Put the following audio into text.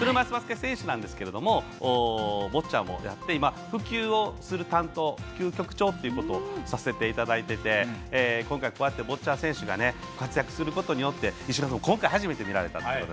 車いすバスケ選手ですがボッチャもやって普及をする担当普及局長をさせていただいてて今回はこうしてボッチャ選手が活躍することで石黒さんも今回初めて見られたということで。